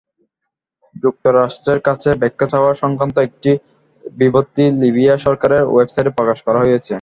যুক্তরাষ্ট্রের কাছে ব্যাখ্যা চাওয়া-সংক্রান্ত একটি বিবৃতি লিবিয়া সরকারের ওয়েবসাইটে প্রকাশ করা হয়েছে।